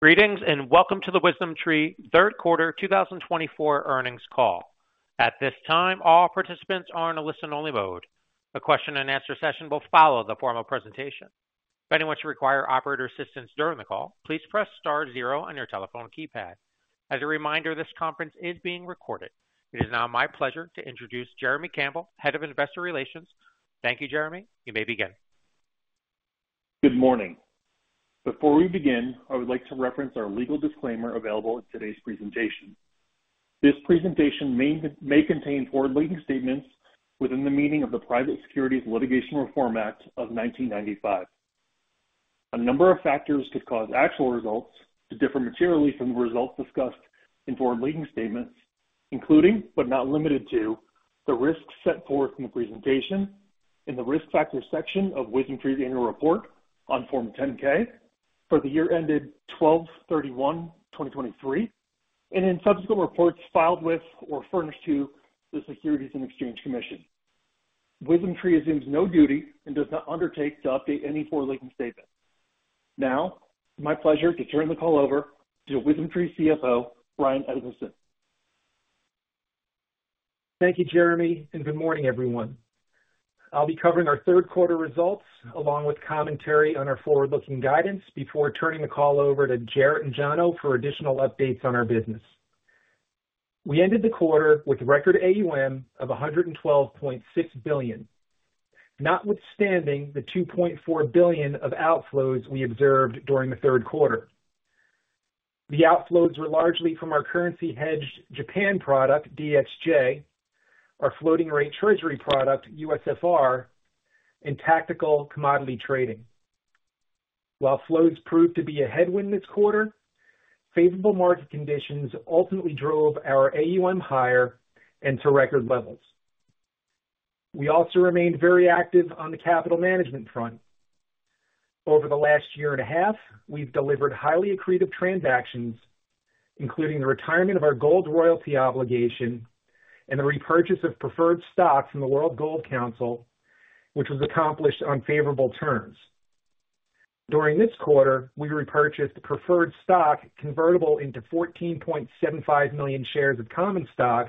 Greetings, and welcome to the WisdomTree Third Quarter 2024 Earnings Call. At this time, all participants are in a listen-only mode. A question-and-answer session will follow the formal presentation. If anyone should require operator assistance during the call, please press star zero on your telephone keypad. As a reminder, this conference is being recorded. It is now my pleasure to introduce Jeremy Campbell, Head of Investor Relations. Thank you, Jeremy. You may begin. Good morning. Before we begin, I would like to reference our legal disclaimer available in today's presentation. This presentation may contain forward-looking statements within the meaning of the Private Securities Litigation Reform Act of 1995. A number of factors could cause actual results to differ materially from the results discussed in forward-looking statements, including, but not limited to, the risks set forth in the presentation in the Risk Factors section of WisdomTree's annual report on Form 10-K for the year ended December 31, 2023, and in subsequent reports filed with or furnished to the Securities and Exchange Commission. WisdomTree assumes no duty and does not undertake to update any forward-looking statements. Now, it's my pleasure to turn the call over to WisdomTree CFO, Bryan Edmiston. Thank you, Jeremy, and good morning, everyone. I'll be covering our third quarter results, along with commentary on our forward-looking guidance, before turning the call over to Jarrett and Jono for additional updates on our business. We ended the quarter with record AUM of $112.6 billion, notwithstanding the $2.4 billion of outflows we observed during the third quarter. The outflows were largely from our currency hedged Japan product, DXJ, our floating rate Treasury product, USFR, and tactical commodity trading. While flows proved to be a headwind this quarter, favorable market conditions ultimately drove our AUM higher and to record levels. We also remained very active on the capital management front. Over the last year and a half, we've delivered highly accretive transactions, including the retirement of our gold royalty obligation and the repurchase of preferred stocks from the World Gold Council, which was accomplished on favorable terms. During this quarter, we repurchased preferred stock convertible into 14.75 million shares of common stock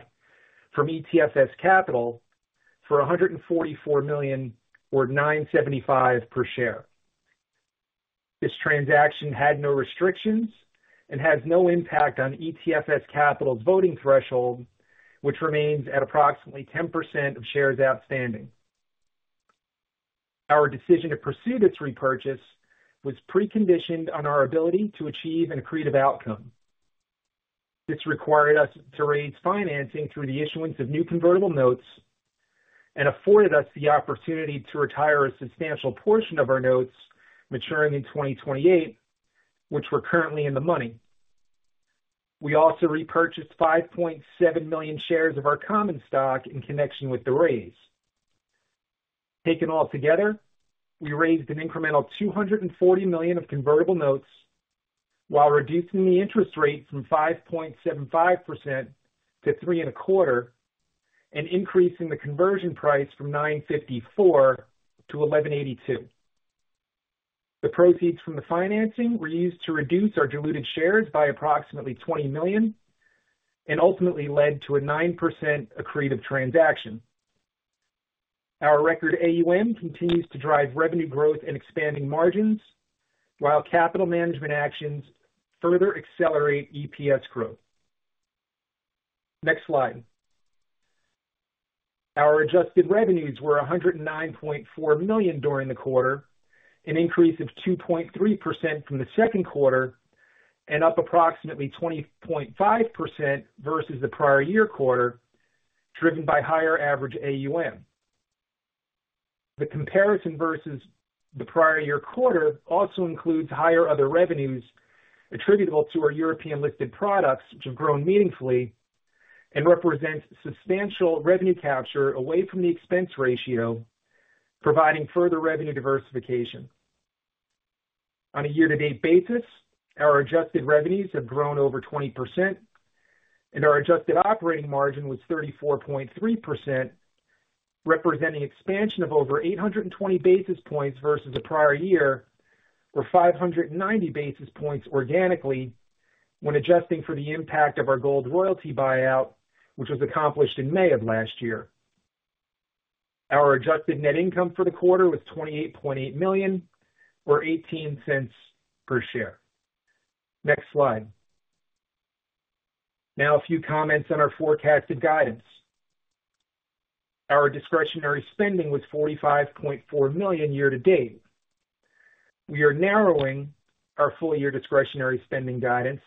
from ETFS Capital for $144 million, or $9.75 per share. This transaction had no restrictions and has no impact on ETFS Capital's voting threshold, which remains at approximately 10% of shares outstanding. Our decision to pursue this repurchase was preconditioned on our ability to achieve an accretive outcome. This required us to raise financing through the issuance of new convertible notes and afforded us the opportunity to retire a substantial portion of our notes maturing in 2028, which were currently in the money. We also repurchased 5.7 million shares of our common stock in connection with the raise. Taken all together, we raised an incremental $240 million of convertible notes, while reducing the interest rate from 5.75% to 3.25%, and increasing the conversion price from $9.54 to $11.82. The proceeds from the financing were used to reduce our diluted shares by approximately 20 million and ultimately led to a 9% accretive transaction. Our record AUM continues to drive revenue growth and expanding margins, while capital management actions further accelerate EPS growth. Next slide. Our adjusted revenues were $109.4 million during the quarter, an increase of 2.3% from the second quarter, and up approximately 20.5% versus the prior year quarter, driven by higher average AUM. The comparison versus the prior year quarter also includes higher other revenues attributable to our European-listed products, which have grown meaningfully and represent substantial revenue capture away from the expense ratio, providing further revenue diversification. On a year-to-date basis, our adjusted revenues have grown over 20%, and our adjusted operating margin was 34.3%, representing expansion of over 820 basis points versus the prior year, or 590 basis points organically, when adjusting for the impact of our gold royalty buyout, which was accomplished in May of last year. Our adjusted net income for the quarter was $28.8 million, or $0.18 per share. Next slide. Now, a few comments on our forecasted guidance. Our discretionary spending was $45.4 million year-to-date. We are narrowing our full year discretionary spending guidance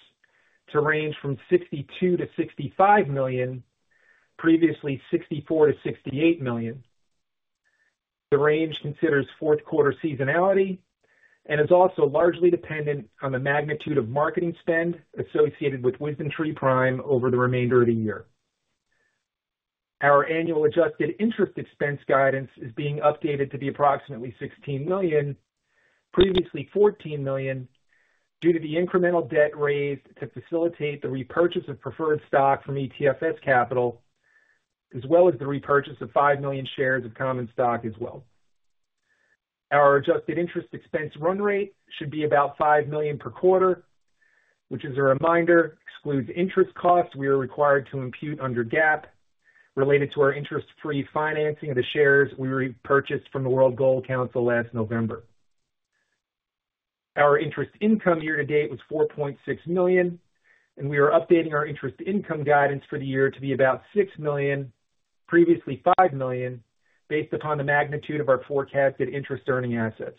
to $62 million-$65 million, previously $64 million-$68 million. The range considers fourth quarter seasonality and is also largely dependent on the magnitude of marketing spend associated with WisdomTree Prime over the remainder of the year. Our annual adjusted interest expense guidance is being updated to be approximately $16 million, previously $14 million, due to the incremental debt raised to facilitate the repurchase of preferred stock from ETFS Capital, as well as the repurchase of 5 million shares of common stock as well. Our adjusted interest expense run rate should be about $5 million per quarter, which, as a reminder, excludes interest costs we are required to impute under GAAP related to our interest-free financing of the shares we repurchased from the World Gold Council last November. Our interest income year-to-date was $4.6 million, and we are updating our interest income guidance for the year to be about $6 million, previously $5 million, based upon the magnitude of our forecasted interest-earning assets.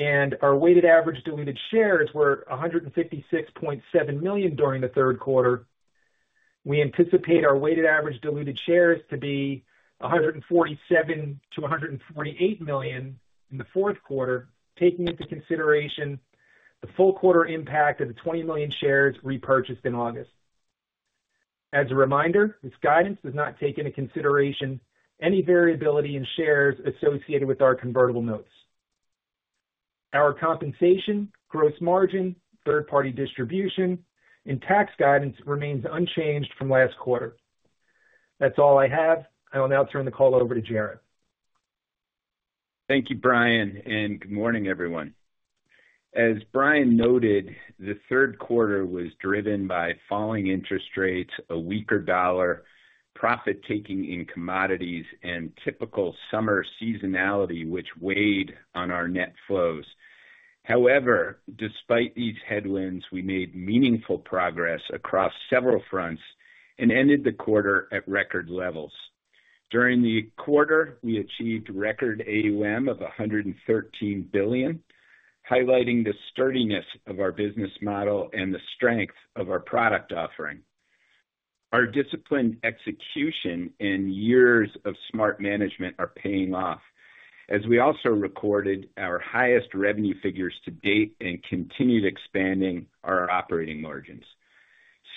Our weighted average diluted shares were 156.7 million during the third quarter. We anticipate our weighted average diluted shares to be 147-148 million in the fourth quarter, taking into consideration the full quarter impact of the 20 million shares repurchased in August. As a reminder, this guidance does not take into consideration any variability in shares associated with our convertible notes. Our compensation, gross margin, third-party distribution, and tax guidance remains unchanged from last quarter. That's all I have. I will now turn the call over to Jarrett. Thank you, Bryan, and good morning, everyone. As Bryan noted, the third quarter was driven by falling interest rates, a weaker dollar, profit-taking in commodities, and typical summer seasonality, which weighed on our net flows. However, despite these headwinds, we made meaningful progress across several fronts and ended the quarter at record levels. During the quarter, we achieved record AUM of $113 billion, highlighting the sturdiness of our business model and the strength of our product offering. Our disciplined execution and years of smart management are paying off, as we also recorded our highest revenue figures to date and continued expanding our operating margins.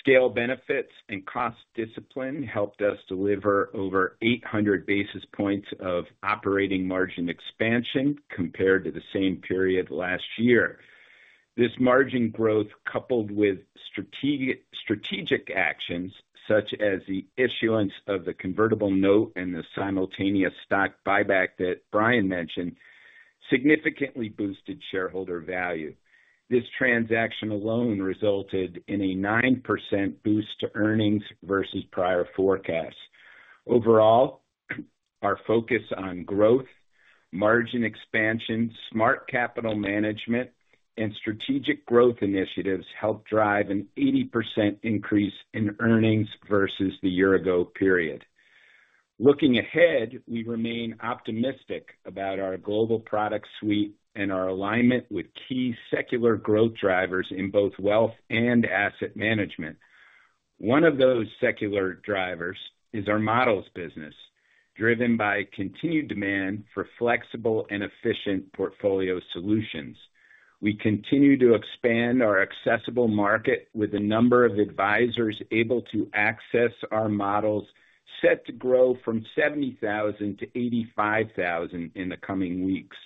Scale benefits and cost discipline helped us deliver over 800 basis points of operating margin expansion compared to the same period last year. This margin growth, coupled with strategic actions, such as the issuance of the convertible note and the simultaneous stock buyback that Bryan mentioned, significantly boosted shareholder value. This transaction alone resulted in a 9% boost to earnings versus prior forecasts. Overall, our focus on growth, margin expansion, smart capital management, and strategic growth initiatives helped drive an 80% increase in earnings versus the year-ago period. Looking ahead, we remain optimistic about our global product suite and our alignment with key secular growth drivers in both wealth and asset management. One of those secular drivers is our models business, driven by continued demand for flexible and efficient portfolio solutions. We continue to expand our accessible market with a number of advisors able to access our models, set to grow from 70,000 to 85,000 in the coming weeks.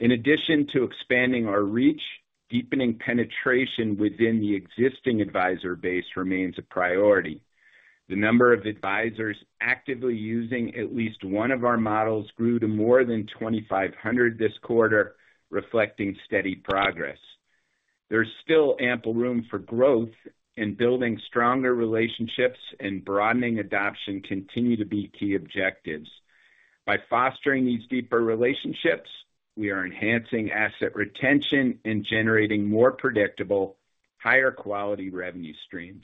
In addition to expanding our reach, deepening penetration within the existing advisor base remains a priority. The number of advisors actively using at least one of our models grew to more than 2,500 this quarter, reflecting steady progress. There's still ample room for growth, and building stronger relationships and broadening adoption continue to be key objectives. By fostering these deeper relationships, we are enhancing asset retention and generating more predictable, higher quality revenue streams.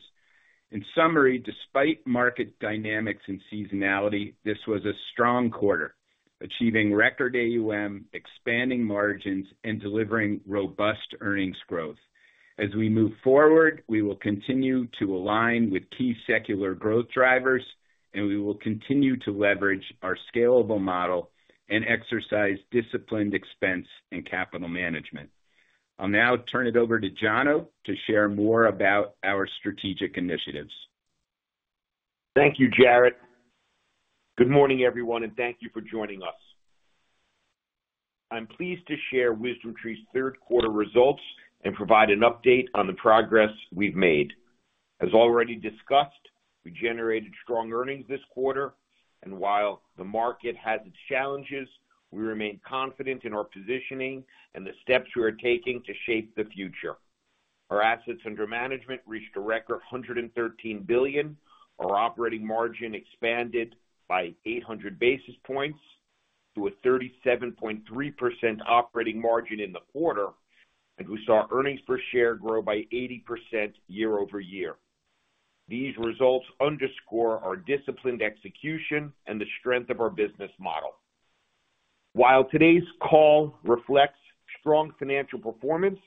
In summary, despite market dynamics and seasonality, this was a strong quarter, achieving record AUM, expanding margins, and delivering robust earnings growth. As we move forward, we will continue to align with key secular growth drivers, and we will continue to leverage our scalable model and exercise disciplined expense and capital management. I'll now turn it over to Jono to share more about our strategic initiatives. Thank you, Jarrett. Good morning, everyone, and thank you for joining us. I'm pleased to share WisdomTree's third quarter results and provide an update on the progress we've made. As already discussed, we generated strong earnings this quarter, and while the market has its challenges, we remain confident in our positioning and the steps we are taking to shape the future. Our assets under management reached a record $113 billion. Our operating margin expanded by 800 basis points to a 37.3% operating margin in the quarter, and we saw earnings per share grow by 80% year-over-year. These results underscore our disciplined execution and the strength of our business model. While today's call reflects strong financial performance,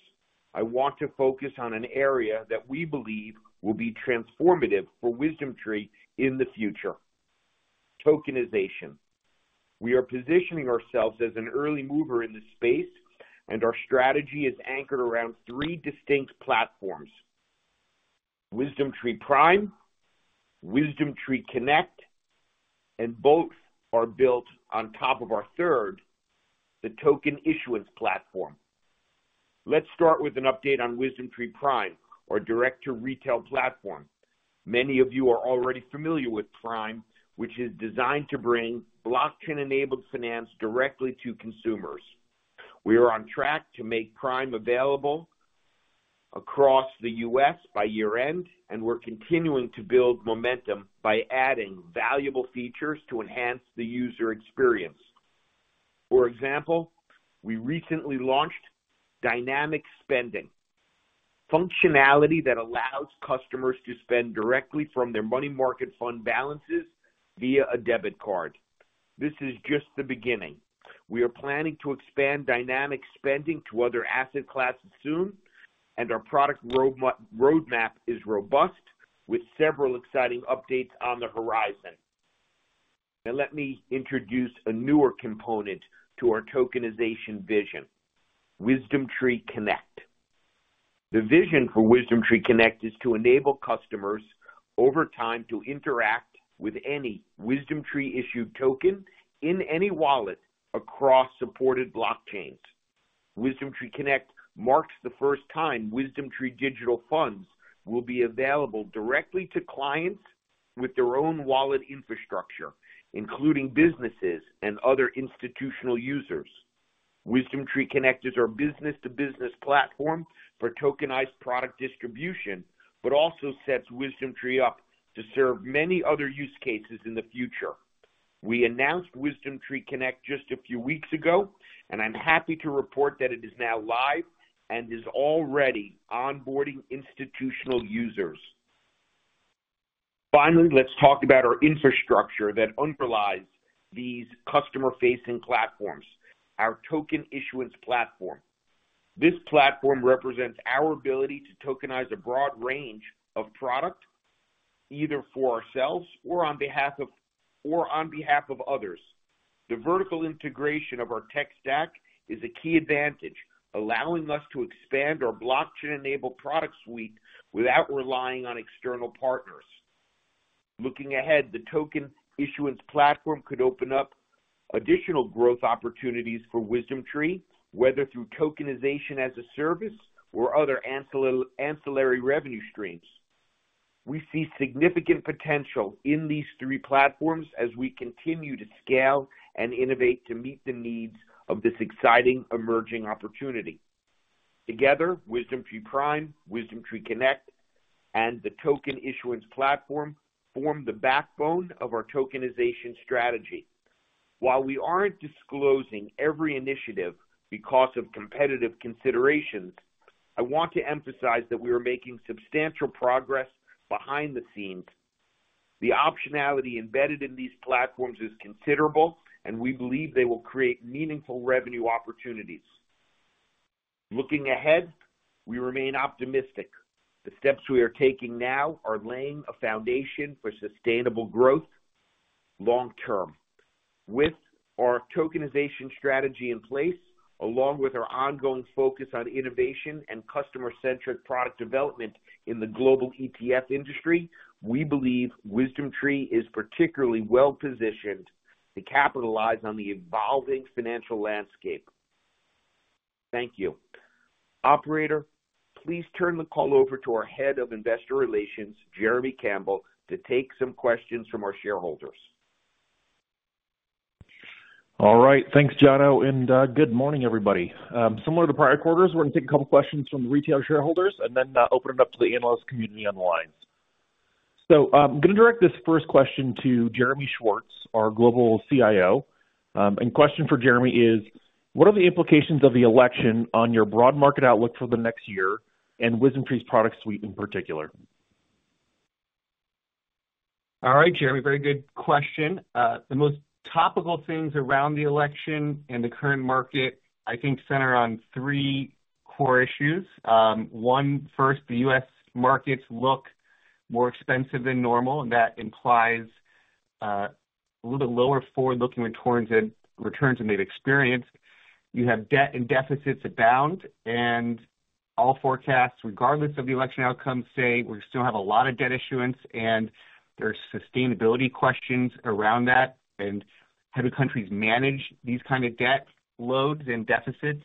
I want to focus on an area that we believe will be transformative for WisdomTree in the future: tokenization. We are positioning ourselves as an early mover in this space, and our strategy is anchored around three distinct platforms: WisdomTree Prime, WisdomTree Connect, and both are built on top of our third, token issuance platform. let's start with an update on WisdomTree Prime, our direct-to-retail platform. Many of you are already familiar with Prime, which is designed to bring blockchain-enabled finance directly to consumers. We are on track to make Prime available across the U.S. by year-end, and we're continuing to build momentum by adding valuable features to enhance the user experience. For example, we recently launched Dynamic Spending, functionality that allows customers to spend directly from their money market fund balances via a debit card. This is just the beginning. We are planning to expand Dynamic Spending to other asset classes soon, and our product roadmap is robust, with several exciting updates on the horizon. Now, let me introduce a newer component to our tokenization vision: WisdomTree Connect. The vision for WisdomTree Connect is to enable customers, over time, to interact with any WisdomTree-issued token in any wallet across supported blockchains. WisdomTree Connect marks the first time WisdomTree digital funds will be available directly to clients with their own wallet infrastructure, including businesses and other institutional users. WisdomTree Connect is our business-to-business platform for tokenized product distribution, but also sets WisdomTree up to serve many other use cases in the future. We announced WisdomTree Connect just a few weeks ago, and I'm happy to report that it is now live and is already onboarding institutional users. Finally, let's talk about our infrastructure token issuance platform. this platform represents our ability to tokenize a broad range of product, either for ourselves or on behalf of others. The vertical integration of our tech stack is a key advantage, allowing us to expand our blockchain-enabled product suite without relying on external partner could open up additional growth opportunities for WisdomTree, whether through tokenization as a service or other ancillary revenue streams. We see significant potential in these three platforms as we continue to scale and innovate to meet the needs of this exciting emerging opportunity. Together, WisdomTree Prime, WisdomTree Connect, and the token issuance platform form the backbone of our tokenization strategy. While we aren't disclosing every initiative because of competitive considerations, I want to emphasize that we are making substantial progress behind the scenes. The optionality embedded in these platforms is considerable, and we believe they will create meaningful revenue opportunities. Looking ahead, we remain optimistic. The steps we are taking now are laying a foundation for sustainable growth long term. With our tokenization strategy in place, along with our ongoing focus on innovation and customer-centric product development in the global ETF industry, we believe WisdomTree is particularly well-positioned to capitalize on the evolving financial landscape. Thank you. Operator, please turn the call over to our head of investor relations, Jeremy Campbell, to take some questions from our shareholders. All right, thanks, Jono, and good morning, everybody. Similar to prior quarters, we're going to take a couple questions from the retail shareholders and then open it up to the analyst community online. I'm gonna direct this first question to Jeremy Schwartz, our Global CIO. And question for Jeremy is: What are the implications of the election on your broad market outlook for the next year and WisdomTree's product suite in particular? All right, Jeremy, very good question. The most topical things around the election and the current market, I think, center on three core issues. One, first, the U.S. markets look more expensive than normal, and that implies a little bit lower forward-looking returns and they've experienced. You have debt and deficits abound, and all forecasts, regardless of the election outcome, say we still have a lot of debt issuance, and there's sustainability questions around that. And how do countries manage these kind of debt loads and deficits?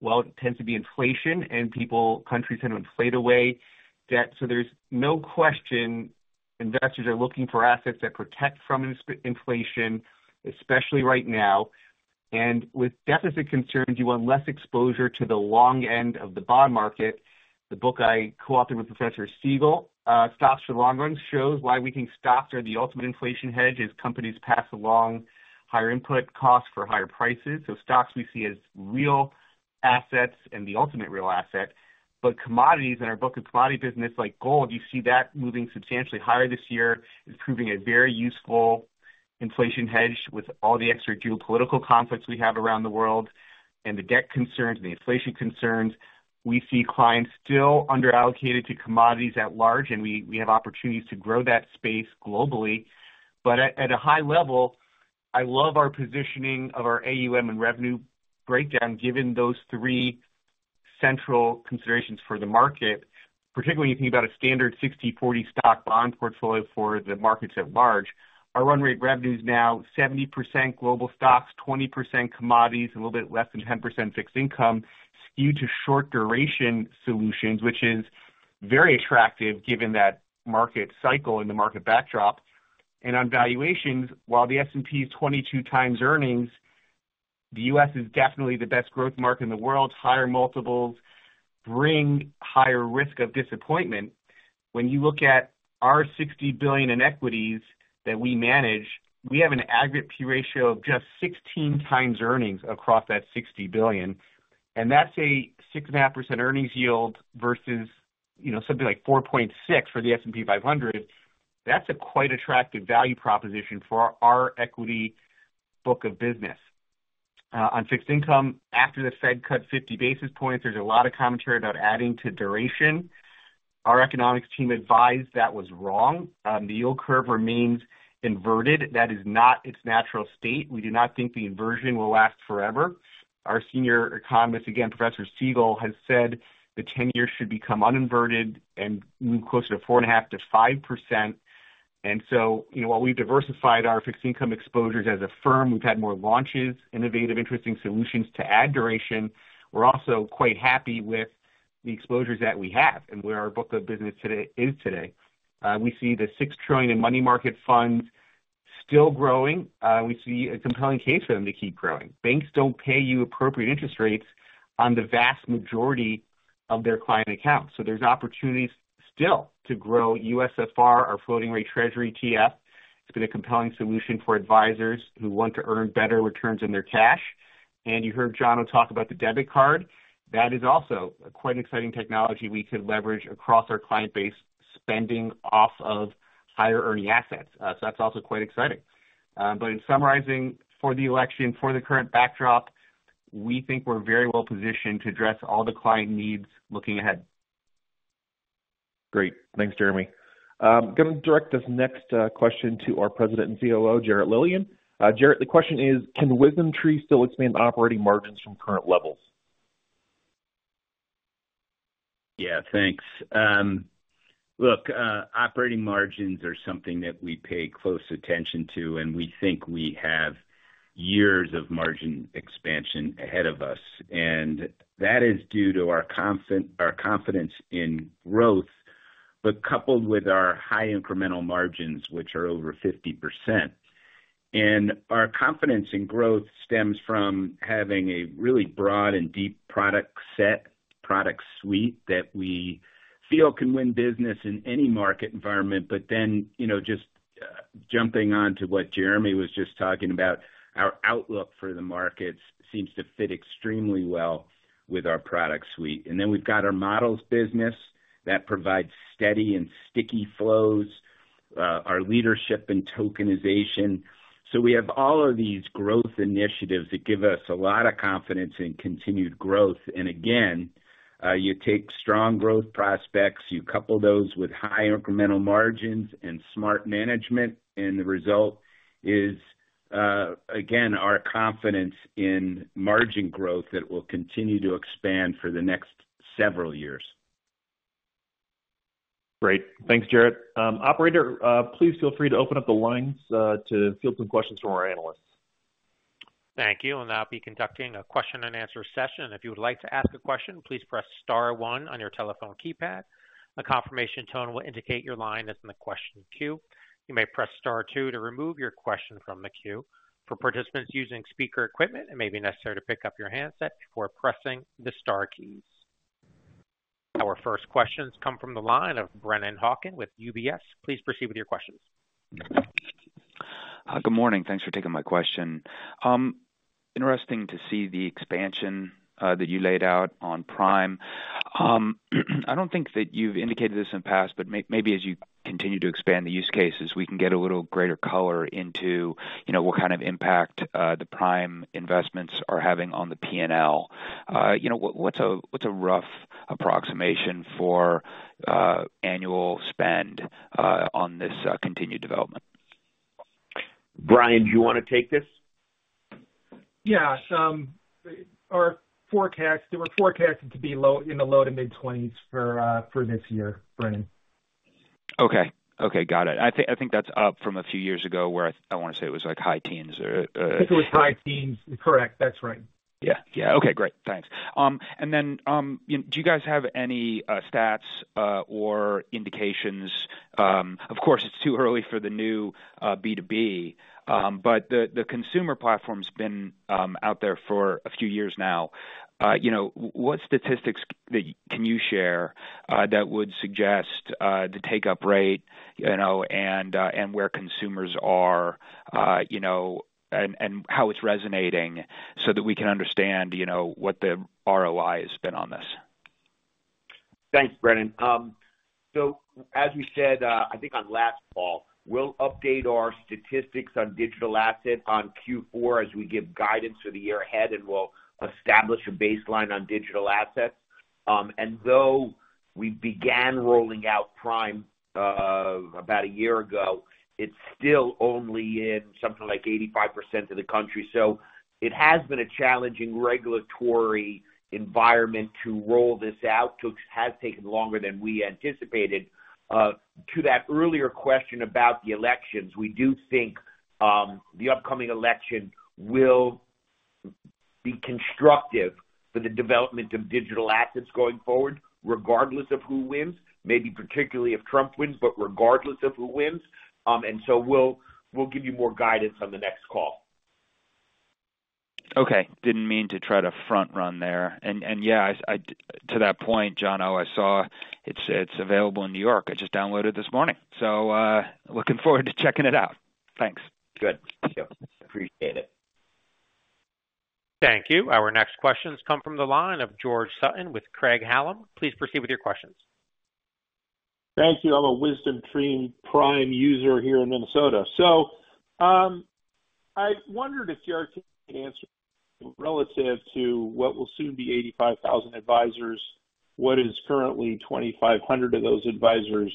Well, it tends to be inflation, and people, countries tend to inflate away debt. So there's no question investors are looking for assets that protect from inflation, especially right now. And with deficit concerns, you want less exposure to the long end of the bond market. The book I co-authored with Professor Siegel, Stocks for the Long Run, shows why we think stocks are the ultimate inflation hedge, as companies pass along higher input costs for higher prices. So stocks we see as real assets and the ultimate real asset. But commodities in our book, and commodity business like gold, you see that moving substantially higher this year, is proving a very useful inflation hedge with all the extra geopolitical conflicts we have around the world and the debt concerns and the inflation concerns. We see clients still underallocated to commodities at large, and we have opportunities to grow that space globally. But at a high level, I love our positioning of our AUM and revenue breakdown, given those three central considerations for the market, particularly when you think about a standard 60/40 stock bond portfolio for the markets at large. Our run rate revenue is now 70% global stocks, 20% commodities, a little bit less than 10% fixed income, skewed to short-duration solutions, which is very attractive given that market cycle and the market backdrop. And on valuations, while the S&P is 22x earnings, the U.S. is definitely the best growth market in the world. Higher multiples bring higher risk of disappointment. When you look at our $60 billion in equities that we manage, we have an aggregate P/E ratio of just 16 times earnings across that $60 billion, and that's a 6.5% earnings yield versus, you know, something like 4.6% for the S&P 500. That's a quite attractive value proposition for our equity book of business. On fixed income, after the Fed cut 50 basis points, there's a lot of commentary about adding to duration. Our economics team advised that was wrong. The yield curve remains inverted. That is not its natural state. We do not think the inversion will last forever. Our senior economist, again, Professor Siegel, has said the ten-year should become uninverted and move closer to 4.5% to 5%. And so, you know, while we've diversified our fixed income exposures as a firm, we've had more launches, innovative, interesting solutions to add duration. We're also quite happy with the exposures that we have and where our book of business today, is today. We see the $6 trillion in money market funds still growing. We see a compelling case for them to keep growing. Banks don't pay you appropriate interest rates on the vast majority of their client accounts, so there's opportunities still to grow. USFR, our floating rate Treasury ETF, it's been a compelling solution for advisors who want to earn better returns on their cash. And you heard Jono talk about the debit card. That is also a quite exciting technology we could leverage across our client base, spending off of higher earning assets. So that's also quite exciting. But in summarizing, for the election, for the current backdrop, we think we're very well positioned to address all the client needs looking ahead. Great. Thanks, Jeremy. Going to direct this next question to our President and COO, Jarrett Lilien. Jarrett, the question is: Can WisdomTree still expand operating margins from current levels? Yeah, thanks. Look, operating margins are something that we pay close attention to, and we think we have years of margin expansion ahead of us, and that is due to our confidence in growth, but coupled with our high incremental margins, which are over 50%. And our confidence in growth stems from having a really broad and deep product set, product suite, that we feel can win business in any market environment. But then, you know, just jumping on to what Jeremy was just talking about, our outlook for the markets seems to fit extremely well with our product suite. And then we've got our models business that provides steady and sticky flows, our leadership in tokenization. So we have all of these growth initiatives that give us a lot of confidence in continued growth. Again, you take strong growth prospects, you couple those with high incremental margins and smart management, and the result is, again, our confidence in margin growth that will continue to expand for the next several years. Great. Thanks, Jarrett. Operator, please feel free to open up the lines to field some questions from our analysts. Thank you, and I'll be conducting a question-and-answer session. If you would like to ask a question, please press star one on your telephone keypad. A confirmation tone will indicate your line is in the question queue. You may press star two to remove your question from the queue. For participants using speaker equipment, it may be necessary to pick up your handset before pressing the star keys. Our first questions come from the line of Brennan Hawken with UBS. Please proceed with your questions. Good morning. Thanks for taking my question. Interesting to see the expansion that you laid out on Prime. I don't think that you've indicated this in the past, but maybe as you continue to expand the use cases, we can get a little greater color into, you know, what kind of impact the Prime investments are having on the P&L. You know, what's a rough approximation for annual spend on this continued development? Bryan, do you want to take this? Yeah. Our forecast, we're forecasting to be low, in the low to mid-twenties for this year, Brennan. Okay. Okay, got it. I think, I think that's up from a few years ago, where I, I want to say it was like high teens, or - I think it was high teens. Correct. That's right. Yeah. Yeah. Okay, great. Thanks. And then, do you guys have any stats or indications? Of course, it's too early for the new B2B, but the consumer platform's been out there for a few years now. You know, what statistics can you share that would suggest the take-up rate, you know, and where consumers are, you know, and how it's resonating so that we can understand, you know, what the ROI has been on this? Thanks, Brennan. So as we said, I think on last fall, we'll update our statistics on digital assets on Q4 as we give guidance for the year ahead, and we'll establish a baseline on digital assets. And though we began rolling out Prime, about a year ago, it's still only in something like 85% of the country. So it has been a challenging regulatory environment to roll this out, so it has taken longer than we anticipated. To that earlier question about the elections, we do think, the upcoming election will- ... be constructive for the development of digital assets going forward, regardless of who wins. Maybe particularly if Trump wins, but regardless of who wins. And so we'll give you more guidance on the next call. Okay. Didn't mean to try to front run there. And yeah, to that point, Jono, I saw it's available in New York. I just downloaded it this morning, so looking forward to checking it out. Thanks. Good. Thank you. Appreciate it. Thank you. Our next questions come from the line of George Sutton with Craig-Hallum. Please proceed with your questions. Thank you. I'm a WisdomTree Prime user here in Minnesota. So, I wondered if you could answer relative to what will soon be 85,000 advisors, what is currently 2,500 of those advisors,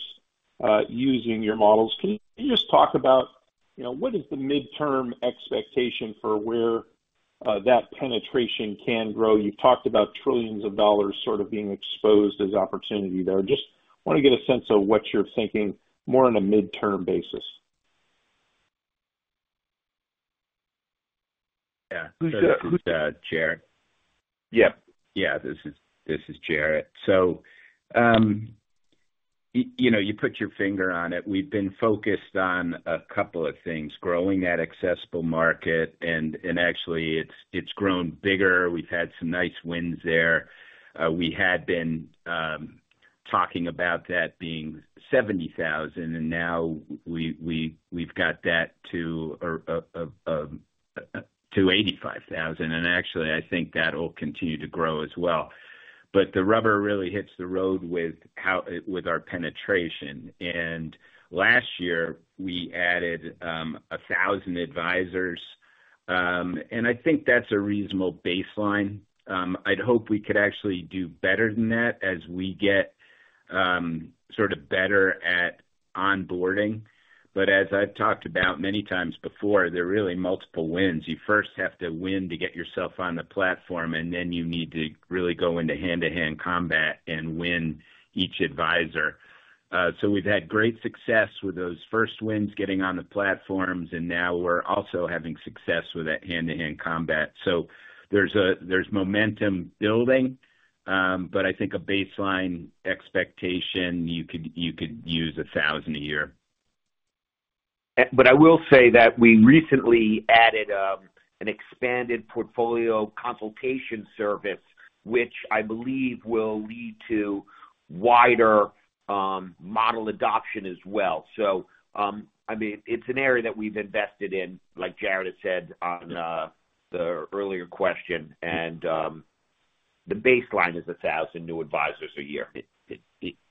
using your models? Can you just talk about, you know, what is the midterm expectation for where, that penetration can grow? You've talked about trillions of dollars sort of being exposed as opportunity there. Just want to get a sense of what you're thinking more on a midterm basis. Yeah. This is Jarrett. Yeah. Yeah, this is Jarrett, so you know, you put your finger on it. We've been focused on a couple of things, growing that accessible market, and actually, it's grown bigger. We've had some nice wins there. We had been talking about that being 70,000, and now we've got that to 85,000, and actually, I think that'll continue to grow as well, but the rubber really hits the road with how... with our penetration, and last year, we added a thousand advisors, and I think that's a reasonable baseline. I'd hope we could actually do better than that as we get sort of better at onboarding, but as I've talked about many times before, there are really multiple wins. You first have to win to get yourself on the platform, and then you need to really go into hand-to-hand combat and win each advisor. So we've had great success with those first wins getting on the platforms, and now we're also having success with that hand-to-hand combat. So there's momentum building, but I think a baseline expectation. You could use a thousand a year. But I will say that we recently added an expanded portfolio consultation service, which I believe will lead to wider model adoption as well. So, I mean, it's an area that we've invested in, like Jarrett has said on the earlier question, and the baseline is a thousand new advisors a year.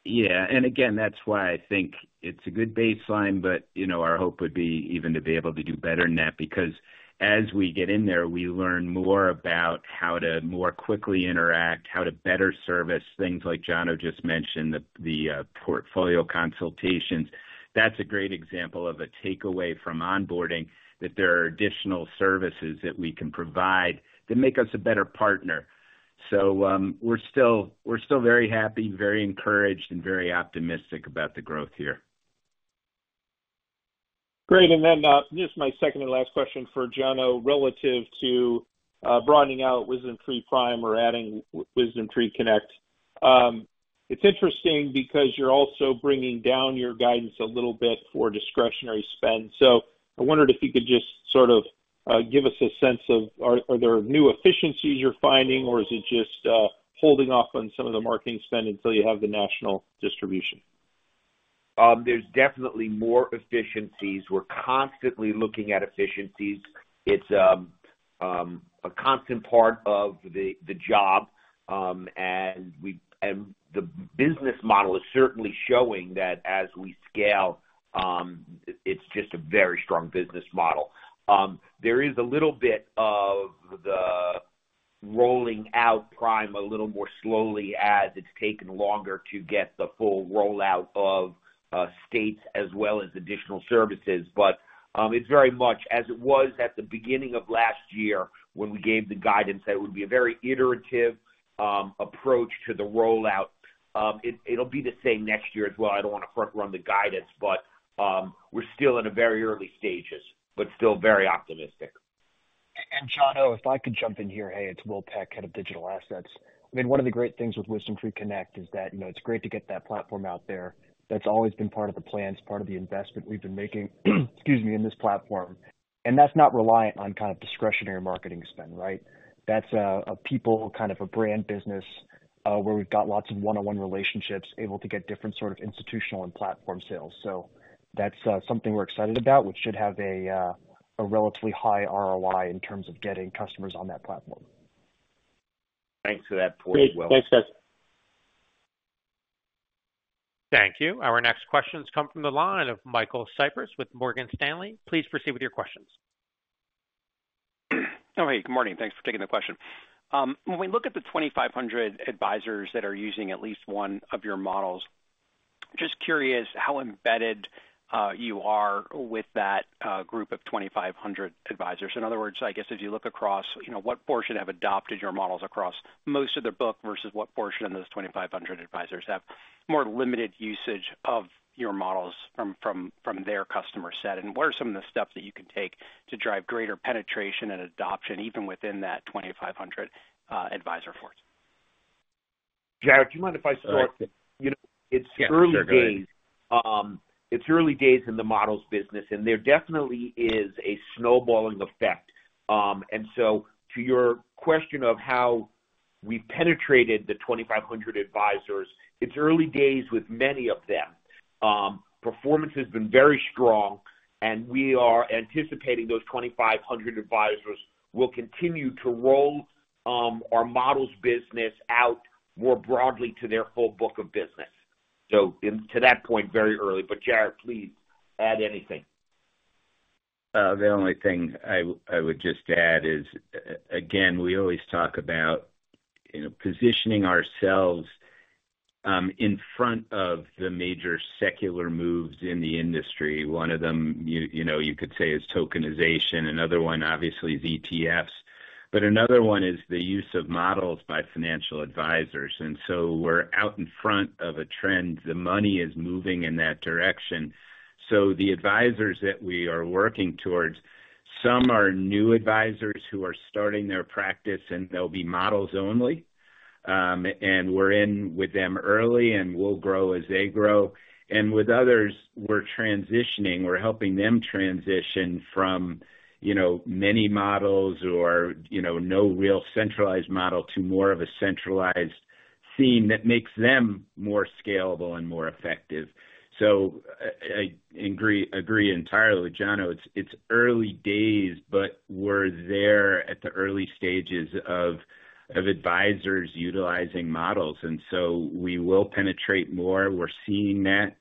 Yeah, and again, that's why I think it's a good baseline, but, you know, our hope would be even to be able to do better than that, because as we get in there, we learn more about how to more quickly interact, how to better service things like Jono just mentioned, the portfolio consultations. That's a great example of a takeaway from onboarding, that there are additional services that we can provide that make us a better partner. So, we're very happy, very encouraged, and very optimistic about the growth here. Great. And then, just my second and last question for Jono, relative to broadening out WisdomTree Prime or adding WisdomTree Connect. It's interesting because you're also bringing down your guidance a little bit for discretionary spend. So I wondered if you could just sort of give us a sense of, are there new efficiencies you're finding, or is it just holding off on some of the marketing spend until you have the national distribution? There's definitely more efficiencies. We're constantly looking at efficiencies. It's a constant part of the job, and the business model is certainly showing that as we scale. It's just a very strong business model. There is a little bit of the rolling out Prime a little more slowly as it's taken longer to get the full rollout of states as well as additional services. But it's very much as it was at the beginning of last year, when we gave the guidance, that it would be a very iterative approach to the rollout. It'll be the same next year as well. I don't want to front run the guidance, but we're still in the very early stages, but still very optimistic. Jono, if I could jump in here. Hey, it's Will Peck, Head of Digital Assets. I mean, one of the great things with WisdomTree Connect is that, you know, it's great to get that platform out there. That's always been part of the plan, it's part of the investment we've been making, excuse me, in this platform. And that's not reliant on kind of discretionary marketing spend, right? That's a people, kind of a brand business, where we've got lots of one-on-one relationships, able to get different sort of institutional and platform sales. So that's something we're excited about, which should have a relatively high ROI in terms of getting customers on that platform. Thanks for that point, Will. Thanks, guys. Thank you. Our next questions come from the line of Michael Cyprys with Morgan Stanley. Please proceed with your questions. Oh, hey, good morning. Thanks for taking the question. When we look at the 2,500 advisors that are using at least one of your models, just curious how embedded you are with that group of 2,500 advisors. In other words, I guess as you look across, you know, what portion have adopted your models across most of their book, versus what portion of those 2,500 advisors have more limited usage of your models from their customer set? And what are some of the steps that you can take to drive greater penetration and adoption, even within that 2,500 advisor force? ...Jared, do you mind if I start? You know, it's early days. It's early days in the models business, and there definitely is a snowballing effect. And so to your question of how we've penetrated the 2,500 advisors, it's early days with many of them. Performance has been very strong, and we are anticipating those 2,500 advisors will continue to roll our models business out more broadly to their full book of business. So to that point, very early, but Jared, please add anything. The only thing I would just add is, again, we always talk about, you know, positioning ourselves in front of the major secular moves in the industry. One of them, you know, you could say, is tokenization. Another one, obviously, is ETFs. But another one is the use of models by financial advisors, and so we're out in front of a trend. The money is moving in that direction. So the advisors that we are working towards, some are new advisors who are starting their practice, and they'll be models only. And we're in with them early, and we'll grow as they grow. And with others, we're transitioning. We're helping them transition from, you know, many models or, you know, no real centralized model to more of a centralized scene that makes them more scalable and more effective. So I agree entirely, Jono. It's early days, but we're there at the early stages of advisors utilizing models, and so we will penetrate more. We're seeing that,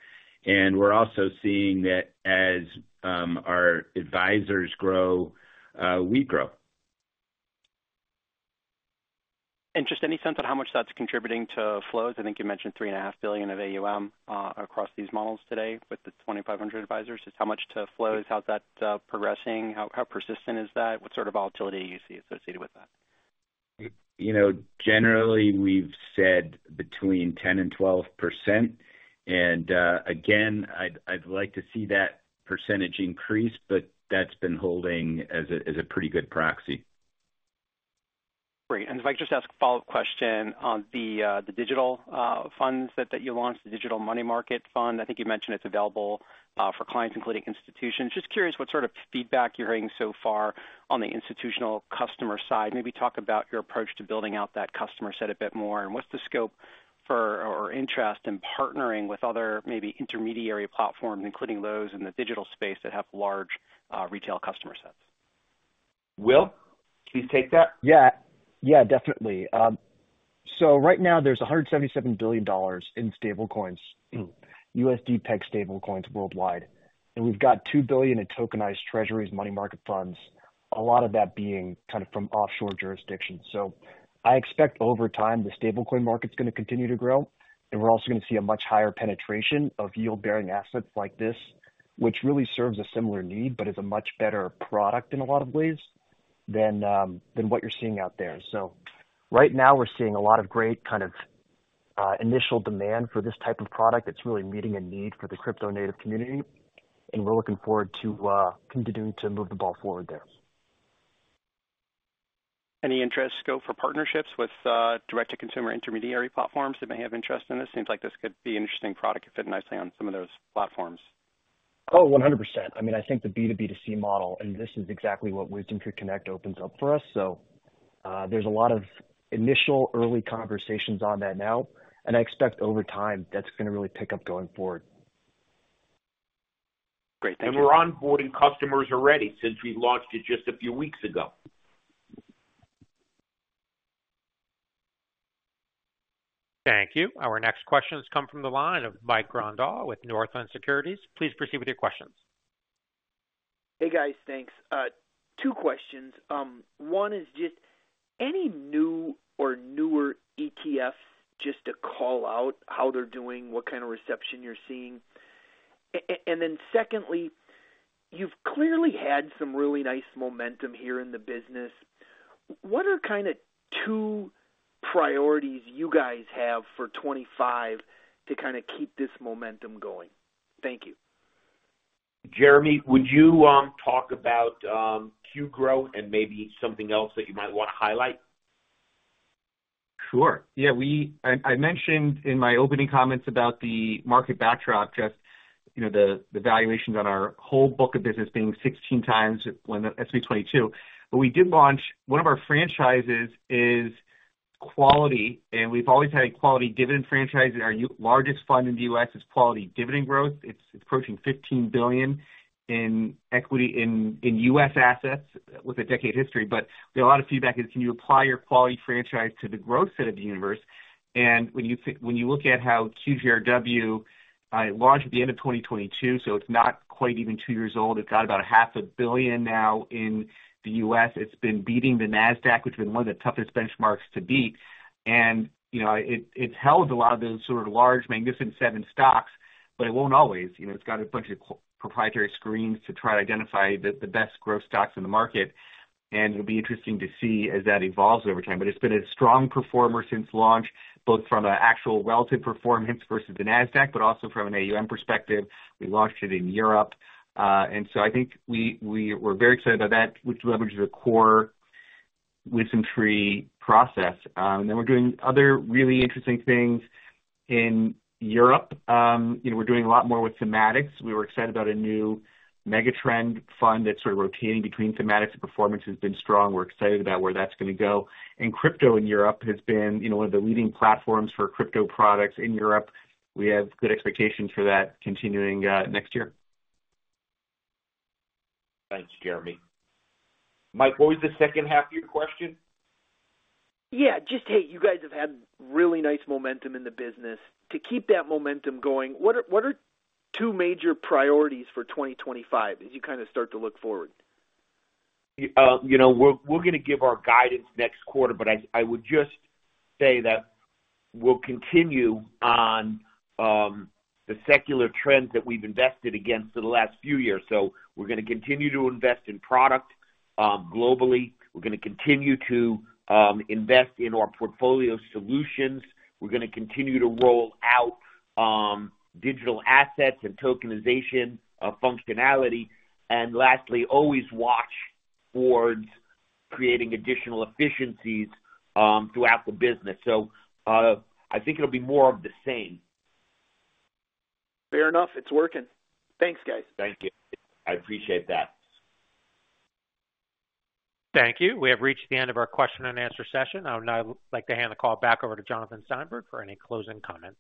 and we're also seeing that as our advisors grow, we grow. Just any sense on how much that's contributing to flows? I think you mentioned $3.5 billion of AUM across these models today with the 2,500 advisors. Just how much to flows, how's that progressing? How, how persistent is that? What sort of volatility do you see associated with that? You know, generally, we've said between 10% and 12%, and again, I'd like to see that percentage increase, but that's been holding as a pretty good proxy. Great. And if I could just ask a follow-up question on the digital funds that you launched, the digital money market fund. I think you mentioned it's available for clients, including institutions. Just curious what sort of feedback you're hearing so far on the institutional customer side. Maybe talk about your approach to building out that customer set a bit more, and what's the scope for, or interest in partnering with other maybe intermediary platforms, including those in the digital space, that have large retail customer sets? Will, please take that? Yeah. Yeah, definitely. So right now there's $177 billion in stablecoins, USD-pegged stablecoins worldwide, and we've got $2 billion in tokenized Treasuries, money market funds, a lot of that being kind of from offshore jurisdictions. So I expect over time, the stablecoin market's gonna continue to grow, and we're also gonna see a much higher penetration of yield-bearing assets like this, which really serves a similar need, but is a much better product in a lot of ways than than what you're seeing out there. So right now we're seeing a lot of great, kind of, initial demand for this type of product. It's really meeting a need for the crypto-native community, and we're looking forward to continuing to move the ball forward there. Any interest scope for partnerships with, direct-to-consumer intermediary platforms that may have interest in this? Seems like this could be an interesting product, could fit nicely on some of those platforms. Oh, 100%. I mean, I think the B2B2C model, and this is exactly what WisdomTree Connect opens up for us. So, there's a lot of initial early conversations on that now, and I expect over time, that's gonna really pick up going forward. Great, thank you. We're onboarding customers already since we launched it just a few weeks ago. Thank you. Our next question has come from the line of Mike Grondahl with Northland Securities. Please proceed with your questions. Hey, guys. Thanks. Two questions. One is just any new or newer ETFs, just to call out how they're doing, what kind of reception you're seeing? And then secondly, you've clearly had some really nice momentum here in the business. What are kind of two priorities you guys have for 2025 to kind of keep this momentum going? Thank you. Jeremy, would you talk about Q Growth and maybe something else that you might want to highlight? Sure. Yeah, I mentioned in my opening comments about the market backdrop, just, you know, the valuations on our whole book of business being 16x when S&P 22. But we did launch. One of our franchises is quality, and we've always had a quality dividend franchise. Our largest fund in the U.S. is Quality Dividend Growth. It's approaching $15 billion in U.S. assets with a decade history. But a lot of feedback is: can you apply your quality franchise to the growth set of the universe? And when you look at how QGRW, it launched at the end of 2022, so it's not quite even two years old. It's got about $500 million now in the U.S. It's been beating the Nasdaq, which has been one of the toughest benchmarks to beat. You know, it, it's held a lot of those sort of large, Magnificent Seven stocks, but it won't always. You know, it's got a bunch of proprietary screens to try to identify the best growth stocks in the market, and it'll be interesting to see as that evolves over time. But it's been a strong performer since launch, both from an actual relative performance versus the Nasdaq, but also from an AUM perspective. We launched it in Europe, and so I think we're very excited about that, which leverages the core-... WisdomTree process, then we're doing other really interesting things in Europe. You know, we're doing a lot more with thematics. We were excited about a new megatrend fund that's sort of rotating between thematics, and performance has been strong. We're excited about where that's gonna go, and crypto in Europe has been, you know, one of the leading platforms for crypto products in Europe. We have good expectations for that continuing next year. Thanks, Jeremy. Mike, what was the second half of your question? Yeah, just, hey, you guys have had really nice momentum in the business. To keep that momentum going, what are two major priorities for twenty twenty-five as you kind of start to look forward? You know, we're gonna give our guidance next quarter, but I would just say that we'll continue on the secular trends that we've invested against for the last few years. So we're gonna continue to invest in product globally. We're gonna continue to invest in our portfolio solutions. We're gonna continue to roll out digital assets and tokenization of functionality. And lastly, always watch towards creating additional efficiencies throughout the business. So I think it'll be more of the same. Fair enough. It's working. Thanks, guys. Thank you. I appreciate that. Thank you. We have reached the end of our question-and-answer session. I would now like to hand the call back over to Jonathan Steinberg for any closing comments.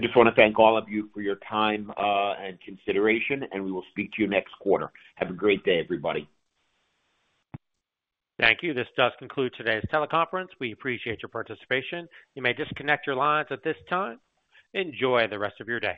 I just wanna thank all of you for your time, and consideration, and we will speak to you next quarter. Have a great day, everybody. Thank you. This does conclude today's teleconference. We appreciate your participation. You may disconnect your lines at this time. Enjoy the rest of your day.